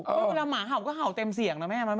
เพราะเวลาหมาเห่าก็เห่าเต็มเสียงนะแม่